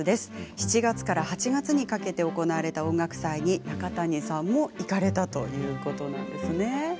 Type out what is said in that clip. ７月から８月にかけ行われた音楽祭に中谷さんも行かれたそうですがいかがでしたか？